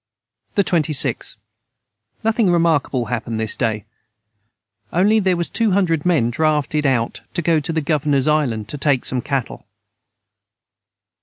the 26. Nothing remarkable hapened this day onely their was 200 men draughted out to go to the governors Island to take some cattle.